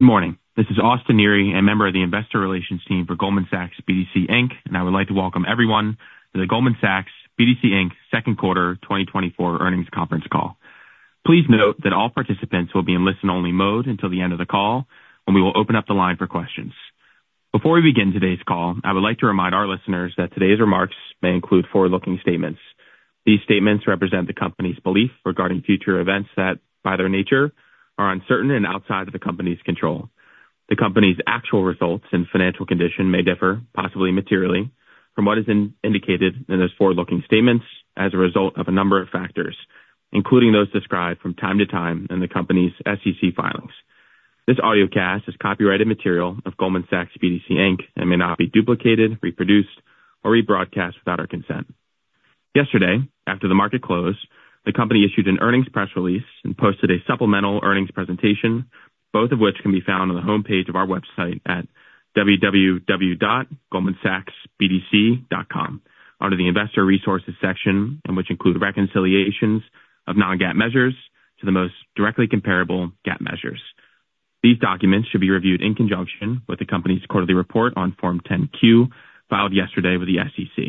Good morning. This is Austin Neary, a member of the investor relations team for Goldman Sachs BDC Inc., and I would like to welcome everyone to the Goldman Sachs BDC Inc. second quarter 2024 earnings conference call. Please note that all participants will be in listen-only mode until the end of the call, when we will open up the line for questions. Before we begin today's call, I would like to remind our listeners that today's remarks may include forward-looking statements. These statements represent the company's belief regarding future events that, by their nature, are uncertain and outside of the company's control. The company's actual results and financial condition may differ, possibly materially, from what is indicated in those forward-looking statements as a result of a number of factors, including those described from time to time in the company's SEC filings. This audiocast is copyrighted material of Goldman Sachs BDC, Inc. and may not be duplicated, reproduced, or rebroadcast without our consent. Yesterday, after the market closed, the company issued an earnings press release and posted a supplemental earnings presentation, both of which can be found on the homepage of our website at www.goldmansachsbdc.com under the Investor Resources section, and which include reconciliations of non-GAAP measures to the most directly comparable GAAP measures. These documents should be reviewed in conjunction with the company's quarterly report on Form 10-Q, filed yesterday with the SEC.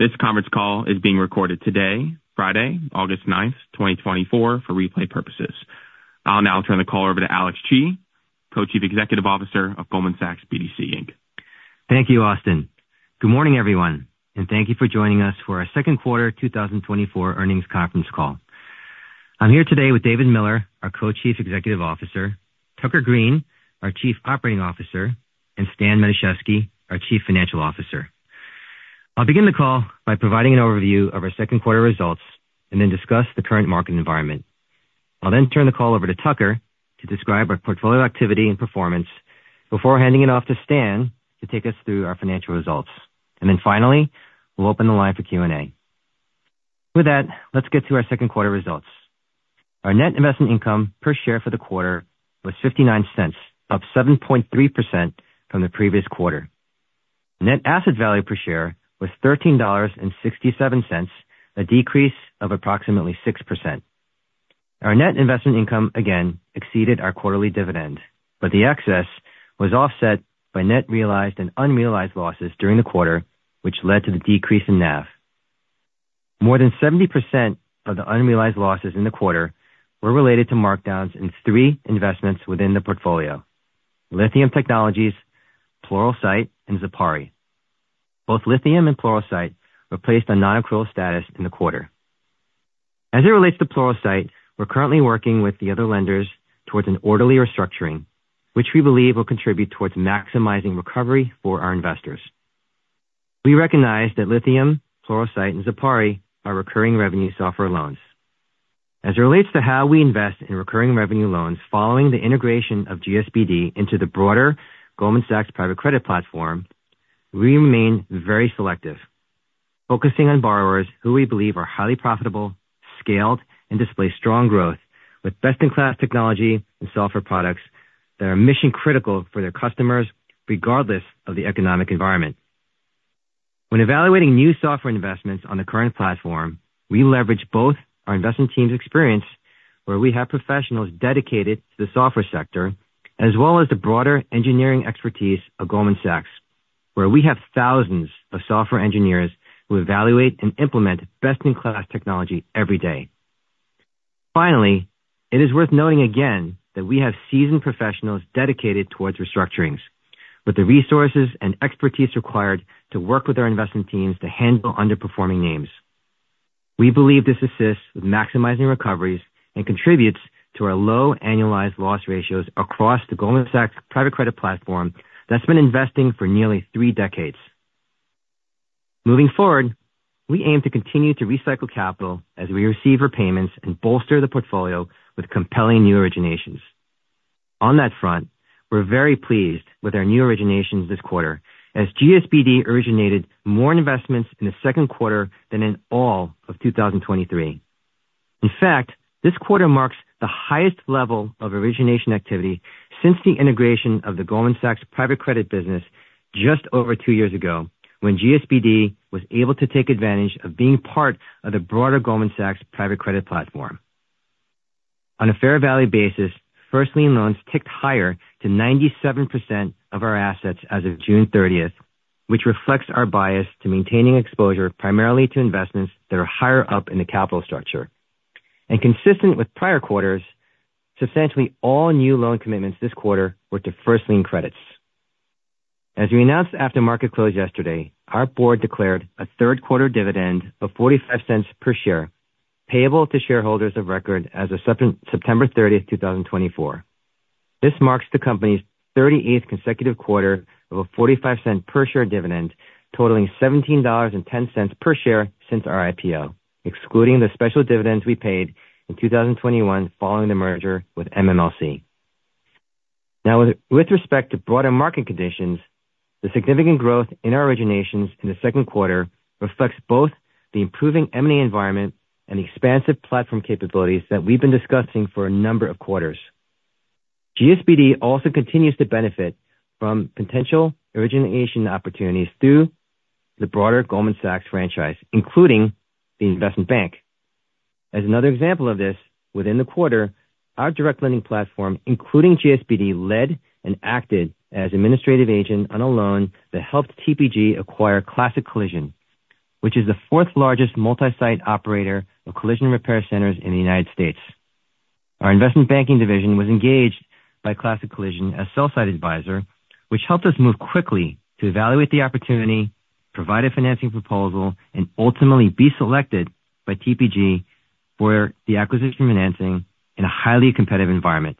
This conference call is being recorded today, Friday, August 9, 2024, for replay purposes. I'll now turn the call over to Alex Chi, Co-Chief Executive Officer of Goldman Sachs BDC, Inc. Thank you, Austin. Good morning, everyone, and thank you for joining us for our second quarter 2024 earnings conference call. I'm here today with David Miller, our Co-Chief Executive Officer, Tucker Greene, our Chief Operating Officer, and Stan Matuszewski, our Chief Financial Officer. I'll begin the call by providing an overview of our second quarter results and then discuss the current market environment. I'll then turn the call over to Tucker to describe our portfolio activity and performance before handing it off to Stan to take us through our financial results. And then finally, we'll open the line for Q&A. With that, let's get to our second quarter results. Our net investment income per share for the quarter was $0.59, up 7.3% from the previous quarter. Net asset value per share was $13.67, a decrease of approximately 6%. Our net investment income again exceeded our quarterly dividend, but the excess was offset by net realized and unrealized losses during the quarter, which led to the decrease in NAV. More than 70% of the unrealized losses in the quarter were related to markdowns in three investments within the portfolio: Lithium Technologies, Pluralsight, and Zipari. Both Lithium and Pluralsight were placed on non-accrual status in the quarter. As it relates to Pluralsight, we're currently working with the other lenders towards an orderly restructuring, which we believe will contribute towards maximizing recovery for our investors. We recognize that Lithium, Pluralsight, and Zipari are recurring revenue software loans. As it relates to how we invest in recurring revenue loans, following the integration of GSBD into the broader Goldman Sachs private credit platform, we remain very selective, focusing on borrowers who we believe are highly profitable, scaled, and display strong growth, with best-in-class technology and software products that are mission critical for their customers, regardless of the economic environment. When evaluating new software investments on the current platform, we leverage both our investment team's experience, where we have professionals dedicated to the software sector, as well as the broader engineering expertise of Goldman Sachs, where we have thousands of software engineers who evaluate and implement best-in-class technology every day. Finally, it is worth noting again that we have seasoned professionals dedicated towards restructurings, with the resources and expertise required to work with our investment teams to handle underperforming names. We believe this assists with maximizing recoveries and contributes to our low annualized loss ratios across the Goldman Sachs private credit platform that's been investing for nearly 3 decades. Moving forward, we aim to continue to recycle capital as we receive repayments and bolster the portfolio with compelling new originations. On that front, we're very pleased with our new originations this quarter, as GSBD originated more investments in the second quarter than in all of 2023. In fact, this quarter marks the highest level of origination activity since the integration of the Goldman Sachs private credit business just over 2 years ago, when GSBD was able to take advantage of being part of the broader Goldman Sachs private credit platform. On a fair value basis, first lien loans ticked higher to 97% of our assets as of June thirtieth, which reflects our bias to maintaining exposure primarily to investments that are higher up in the capital structure. Consistent with prior quarters, substantially all new loan commitments this quarter were to first lien credits. As we announced after market close yesterday, our board declared a third quarter dividend of $0.45 per share, payable to shareholders of record as of September thirtieth, 2024. This marks the company's 38th consecutive quarter of a $0.45 per share dividend, totaling $17.10 per share since our IPO, excluding the special dividends we paid in 2021 following the merger with MMLC. Now, with respect to broader market conditions, the significant growth in our originations in the second quarter reflects both the improving M&A environment and the expansive platform capabilities that we've been discussing for a number of quarters. GSBD also continues to benefit from potential origination opportunities through the broader Goldman Sachs franchise, including the investment bank. As another example of this, within the quarter, our direct lending platform, including GSBD, led and acted as administrative agent on a loan that helped TPG acquire Classic Collision, which is the fourth largest multi-site operator of collision repair centers in the United States. Our investment banking division was engaged by Classic Collision as sell-side advisor, which helped us move quickly to evaluate the opportunity, provide a financing proposal, and ultimately be selected by TPG for the acquisition financing in a highly competitive environment.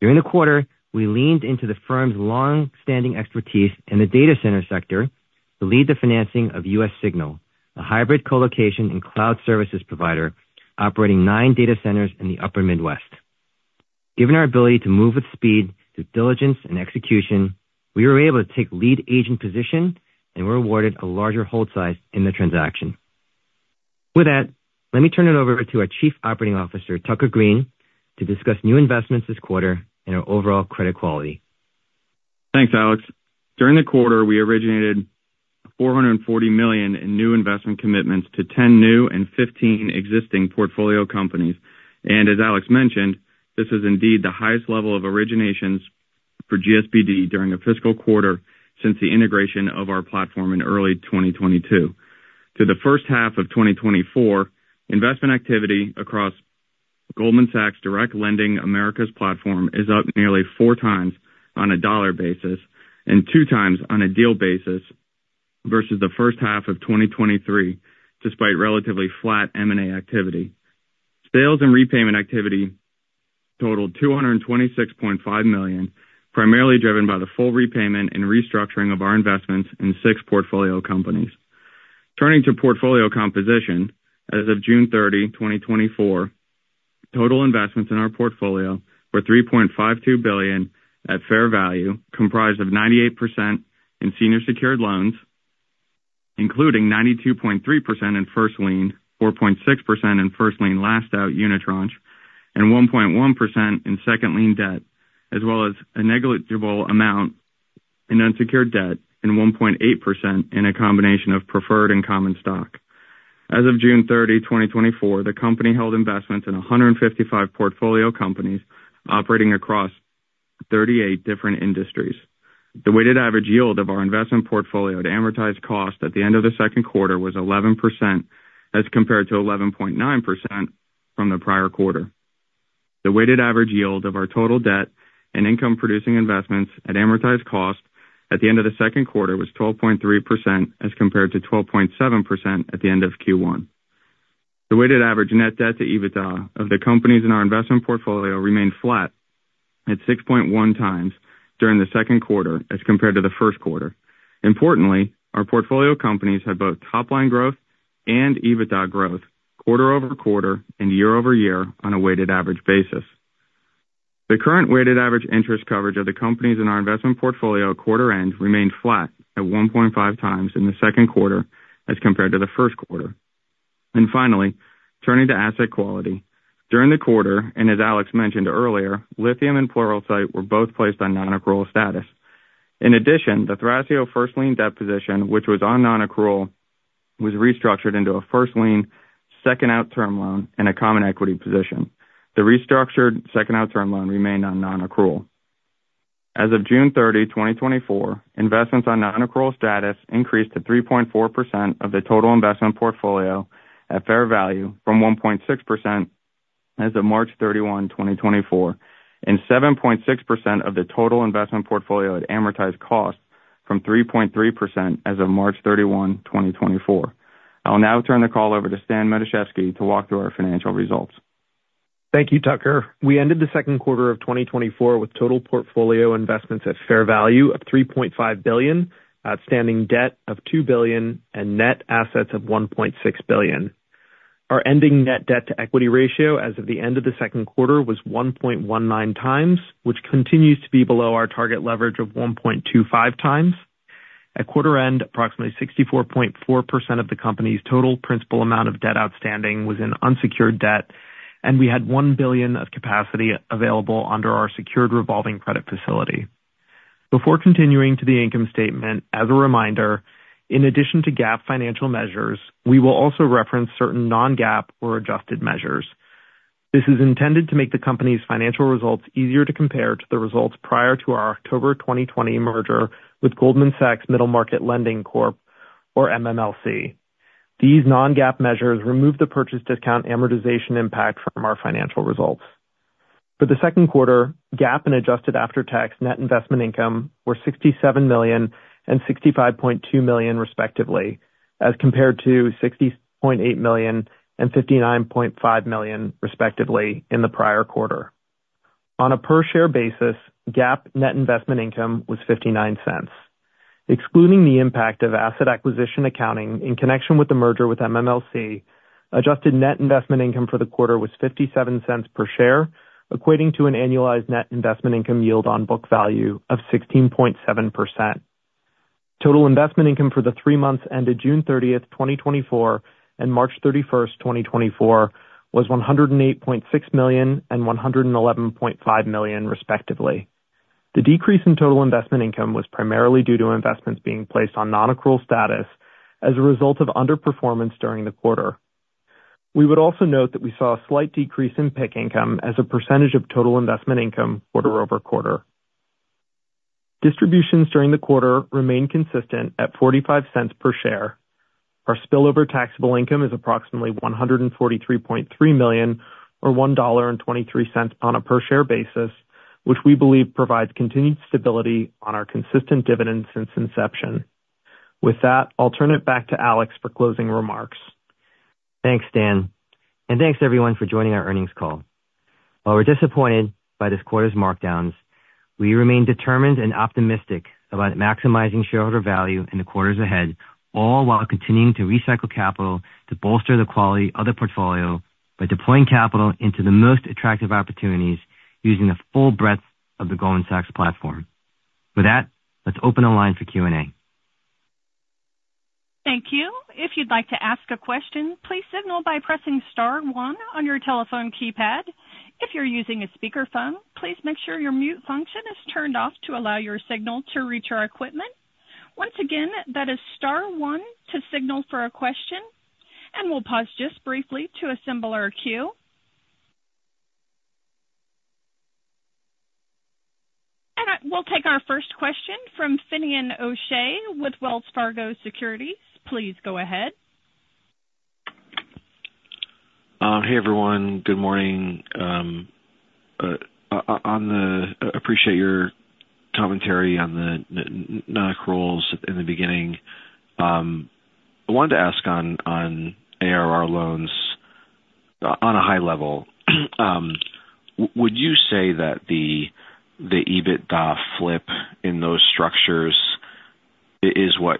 During the quarter, we leaned into the firm's long-standing expertise in the data center sector to lead the financing of US Signal, a hybrid colocation and cloud services provider operating nine data centers in the upper Midwest. Given our ability to move with speed through diligence and execution, we were able to take lead agent position and were awarded a larger hold size in the transaction. With that, let me turn it over to our Chief Operating Officer, Tucker Greene, to discuss new investments this quarter and our overall credit quality. Thanks, Alex. During the quarter, we originated $440 million in new investment commitments to 10 new and 15 existing portfolio companies. As Alex mentioned, this is indeed the highest level of originations for GSPD during a fiscal quarter since the integration of our platform in early 2022. To the first half of 2024, investment activity across Goldman Sachs Direct Lending Americas platform is up nearly 4 times on a dollar basis and 2 times on a deal basis versus the first half of 2023, despite relatively flat M&A activity. Sales and repayment activity totaled $226.5 million, primarily driven by the full repayment and restructuring of our investments in 6 portfolio companies. Turning to portfolio composition, as of June 30, 2024, total investments in our portfolio were $3.52 billion at fair value, comprised of 98% in senior secured loans, including 92.3% in first lien, 4.6% in first lien last out unitranche, and 1.1% in second lien debt, as well as a negligible amount in unsecured debt, and 1.8% in a combination of preferred and common stock. As of June 30, 2024, the company held investments in 155 portfolio companies operating across 38 different industries. The weighted average yield of our investment portfolio to amortized cost at the end of the second quarter was 11%, as compared to 11.9% from the prior quarter. The weighted average yield of our total debt and income-producing investments at amortized cost at the end of the second quarter was 12.3%, as compared to 12.7% at the end of Q1. The weighted average net debt to EBITDA of the companies in our investment portfolio remained flat at 6.1x during the second quarter as compared to the first quarter. Importantly, our portfolio companies had both top-line growth and EBITDA growth quarter-over-quarter and year-over-year on a weighted average basis. The current weighted average interest coverage of the companies in our investment portfolio at quarter end remained flat at 1.5x in the second quarter as compared to the first quarter. Finally, turning to asset quality. During the quarter, and as Alex mentioned earlier, Lithium and Pluralsight were both placed on non-accrual status. In addition, the Thrasio first lien debt position, which was on non-accrual, was restructured into a first lien, second-out term loan and a common equity position. The restructured second-out term loan remained on non-accrual. As of June 30, 2024, investments on non-accrual status increased to 3.4% of the total investment portfolio at fair value from 1.6% as of March 31, 2024, and 7.6% of the total investment portfolio at amortized cost from 3.3% as of March 31, 2024. I'll now turn the call over to Stan Matuszewski to walk through our financial results. Thank you, Tucker. We ended the second quarter of 2024 with total portfolio investments at fair value of $3.5 billion, outstanding debt of $2 billion, and net assets of $1.6 billion. Our ending net debt-to-equity ratio as of the end of the second quarter was 1.19 times, which continues to be below our target leverage of 1.25 times. At quarter end, approximately 64.4% of the company's total principal amount of debt outstanding was in unsecured debt, and we had $1 billion of capacity available under our secured revolving credit facility. Before continuing to the income statement, as a reminder, in addition to GAAP financial measures, we will also reference certain non-GAAP or adjusted measures. This is intended to make the company's financial results easier to compare to the results prior to our October 2020 merger with Goldman Sachs Middle Market Lending Corp, or MMLC. These non-GAAP measures remove the purchase discount amortization impact from our financial results. For the second quarter, GAAP and adjusted after-tax net investment income were $67 million and $65.2 million, respectively, as compared to $60.8 million and $59.5 million, respectively, in the prior quarter. On a per share basis, GAAP net investment income was $0.59. Excluding the impact of asset acquisition accounting in connection with the merger with MMLC, adjusted net investment income for the quarter was $0.57 per share, equating to an annualized net investment income yield on book value of 16.7%. Total investment income for the three months ended June 30, 2024, and March 31, 2024, was $108.6 million and $111.5 million, respectively. The decrease in total investment income was primarily due to investments being placed on non-accrual status as a result of underperformance during the quarter. We would also note that we saw a slight decrease in PIK income as a percentage of total investment income quarter-over-quarter. Distributions during the quarter remained consistent at $0.45 per share. Our spillover taxable income is approximately $143.3 million, or $1.23 on a per share basis, which we believe provides continued stability on our consistent dividend since inception. With that, I'll turn it back to Alex for closing remarks. Thanks, Stan, and thanks everyone for joining our earnings call. While we're disappointed by this quarter's markdowns, we remain determined and optimistic about maximizing shareholder value in the quarters ahead, all while continuing to recycle capital to bolster the quality of the portfolio by deploying capital into the most attractive opportunities, using the full breadth of the Goldman Sachs platform. With that, let's open the line for Q&A. Thank you. If you'd like to ask a question, please signal by pressing star one on your telephone keypad. If you're using a speakerphone, please make sure your mute function is turned off to allow your signal to reach our equipment. Once again, that is star one to signal for a question, and we'll pause just briefly to assemble our queue. We'll take our first question from Finian O'Shea with Wells Fargo Securities. Please go ahead. Hey, everyone. Good morning. Appreciate your commentary on the non-accruals in the beginning. I wanted to ask on ARR loans, on a high level, would you say that the EBITDA flip in those structures is what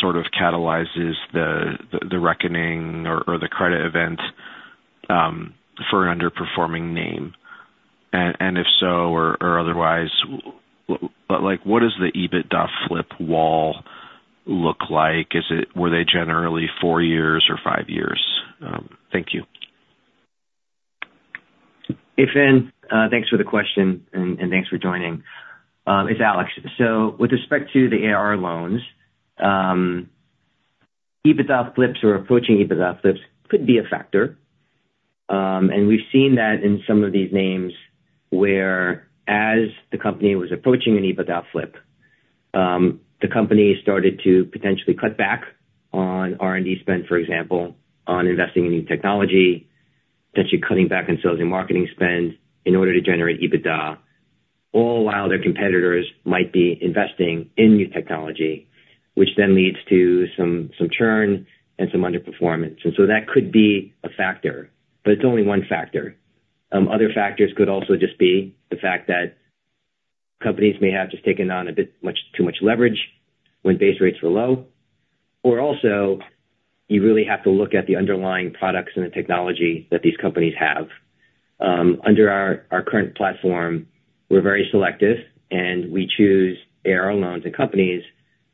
sort of catalyzes the reckoning or the credit event for an underperforming name? And if so or otherwise, but like, what does the EBITDA flip wall look like? Were they generally four years or five years? Thank you. Hey, Fin, thanks for the question and thanks for joining. It's Alex. So with respect to the ARR loans, EBITDA flips or approaching EBITDA flips could be a factor. And we've seen that in some of these names, where, as the company was approaching an EBITDA flip, the company started to potentially cut back on R&D spend, for example, on investing in new technology, potentially cutting back on sales and marketing spend in order to generate EBITDA, all while their competitors might be investing in new technology, which then leads to some churn and some underperformance. And so that could be a factor, but it's only one factor. Other factors could also just be the fact that companies may have just taken on a bit much, too much leverage when base rates were low. Or also, you really have to look at the underlying products and the technology that these companies have. Under our current platform, we're very selective, and we choose ARR loans and companies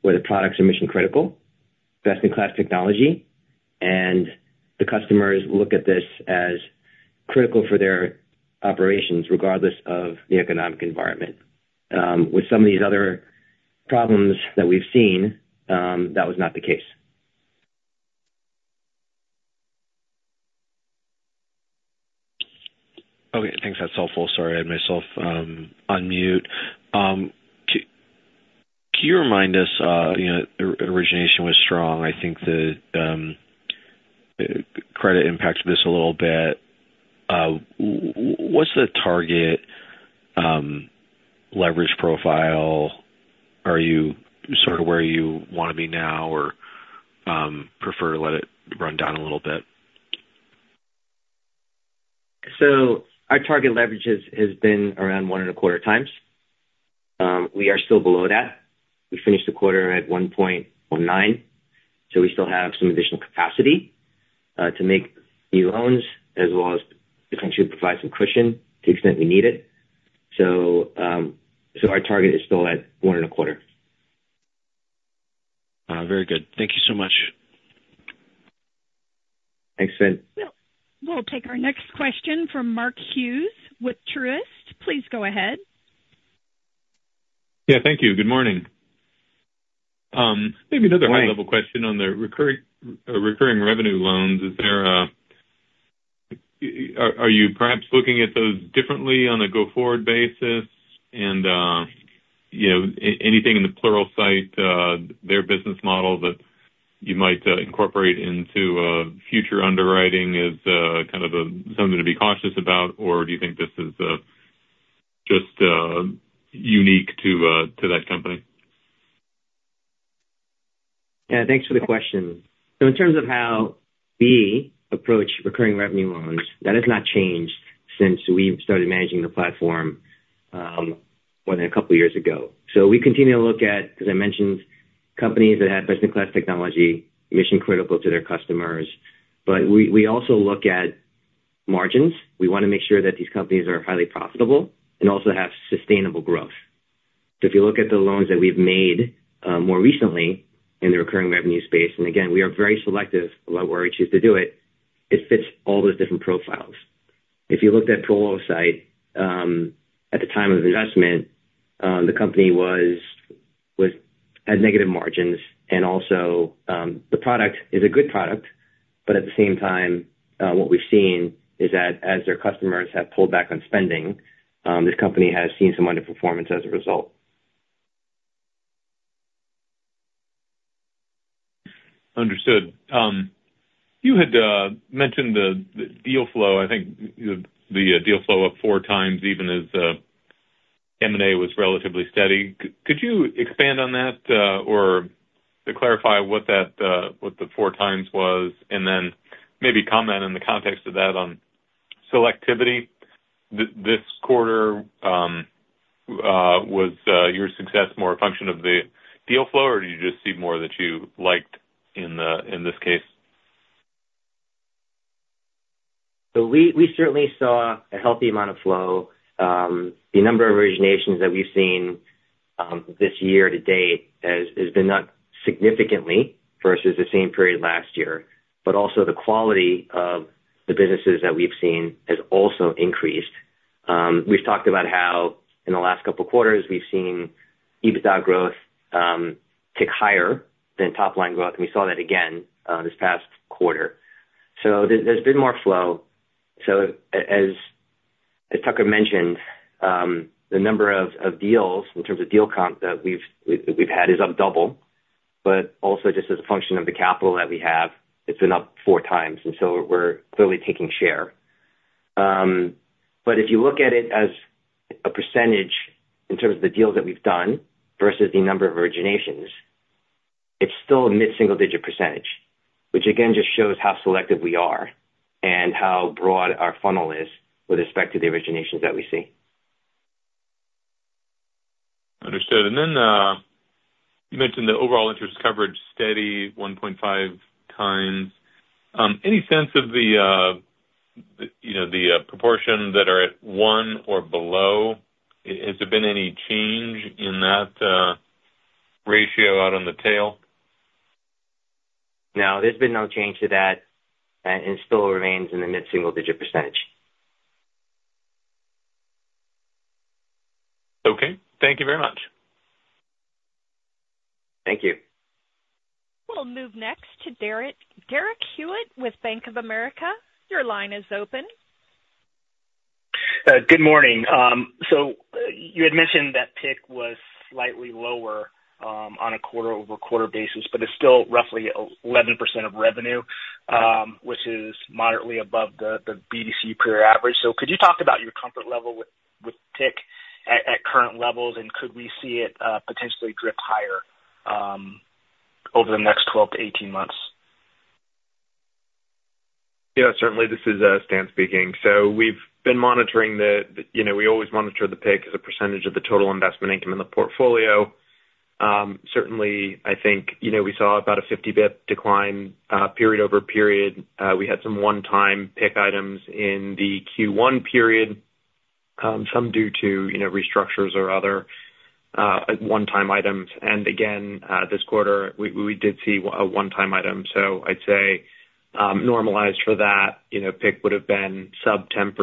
where the products are mission-critical, best-in-class technology, and the customers look at this as critical for their operations, regardless of the economic environment. With some of these other problems that we've seen, that was not the case. Okay, thanks. That's helpful. Sorry, I had myself on mute. Can you remind us, you know, origination was strong. I think that credit impacted this a little bit. What's the target leverage profile? Are you sort of where you want to be now or prefer to let it run down a little bit? So our target leverage has been around 1.25 times. We are still below that. We finished the quarter at 1.19, so we still have some additional capacity to make new loans, as well as potentially provide some cushion to the extent we need it. So our target is still at 1.25. Very good. Thank you so much. Thanks, Finn. We'll take our next question from Mark Hughes with Truist. Please go ahead. Yeah, thank you. Good morning. Maybe another- Hi. A high-level question on the recurring, recurring revenue loans. Is there a... Are, are you perhaps looking at those differently on a go-forward basis? And, you know, anything in the Pluralsight, their business model that you might incorporate into future underwriting as kind of the something to be cautious about? Or do you think this is just unique to that company? Yeah, thanks for the question. So in terms of how we approach recurring revenue loans, that has not changed since we started managing the platform, more than a couple of years ago. So we continue to look at, as I mentioned, companies that have best-in-class technology, mission-critical to their customers, but we, we also look at margins. We want to make sure that these companies are highly profitable and also have sustainable growth. So if you look at the loans that we've made, more recently in the recurring revenue space, and again, we are very selective about where we choose to do it. It fits all those different profiles. If you looked at Pluralsight at the time of investment, the company had negative margins, and also, the product is a good product, but at the same time, what we've seen is that as their customers have pulled back on spending, this company has seen some underperformance as a result. Understood. You had mentioned the deal flow. I think the deal flow up four times, even as M&A was relatively steady. Could you expand on that, or to clarify what that, what the four times was? And then maybe comment on the context of that on selectivity this quarter, was your success more a function of the deal flow, or do you just see more that you liked in this case? So we certainly saw a healthy amount of flow. The number of originations that we've seen this year to date has been up significantly versus the same period last year. But also the quality of the businesses that we've seen has also increased. We've talked about how in the last couple of quarters, we've seen EBITDA growth tick higher than top-line growth, and we saw that again this past quarter. So there's been more flow. So as Tucker mentioned, the number of deals in terms of deal count that we've had is up double, but also just as a function of the capital that we have, it's been up four times, and so we're clearly taking share. But if you look at it as a percentage in terms of the deals that we've done versus the number of originations, it's still a mid-single-digit %, which again, just shows how selective we are and how broad our funnel is with respect to the originations that we see. Understood. And then, you mentioned the overall interest coverage steady 1.5 times. Any sense of the, you know, the, proportion that are at one or below? Has there been any change in that, ratio out on the tail? No, there's been no change to that, and it still remains in the mid-single-digit %. Okay. Thank you very much. Thank you. We'll move next to Derek. Derek Hewett with Bank of America, your line is open. Good morning. So you had mentioned that PIK was slightly lower, on a quarter-over-quarter basis, but it's still roughly 11% of revenue, which is moderately above the, the BDC period average. So could you talk about your comfort level with, with PIK at, at current levels, and could we see it, potentially drift higher, over the next 12-18 months? Yeah, certainly. This is, Stan speaking. So we've been monitoring the, you know, we always monitor the PIK as a percentage of the total investment income in the portfolio. Certainly, I think, you know, we saw about a 50 basis points decline, period-over-period. We had some one-time PIK items in the Q1 period, some due to, you know, restructures or other, one-time items. And again, this quarter, we did see a one-time item. So I'd say, normalized for that, you know, PIK would have been sub 10%.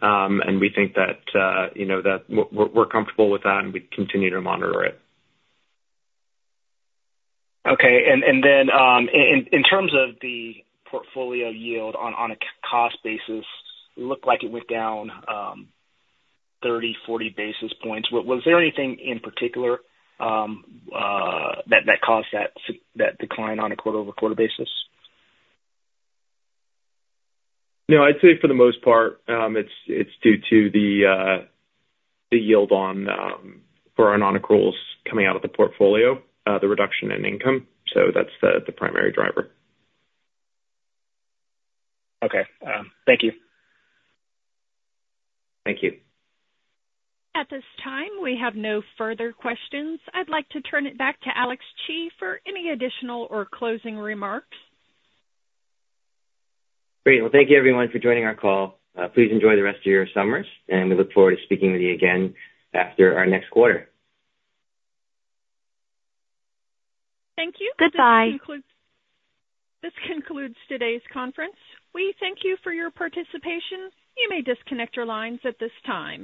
And we think that, you know, that we're comfortable with that, and we continue to monitor it. Okay. And then, in terms of the portfolio yield on a cost basis, it looked like it went down 30-40 basis points. Was there anything in particular that caused that decline on a quarter-over-quarter basis? No, I'd say for the most part, it's due to the yield on for our non-accruals coming out of the portfolio, the reduction in income. So that's the primary driver. Okay. Thank you. Thank you. At this time, we have no further questions. I'd like to turn it back to Alex Chi for any additional or closing remarks. Great. Well, thank you everyone for joining our call. Please enjoy the rest of your summers, and we look forward to speaking with you again after our next quarter. Thank you. Goodbye. This concludes today's conference. We thank you for your participation. You may disconnect your lines at this time.